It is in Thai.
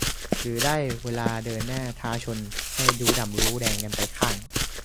หรือได้เวลาเดินหน้าท้าชนให้รู้ดำรู้แดงกันไปข้าง